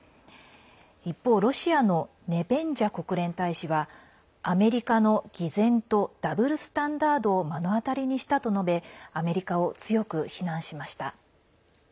一方、ロシアのネベンジャ国連大使はアメリカの偽善とダブルスタンダードを目の当たりにしたと述べアメリカを強く非難しました。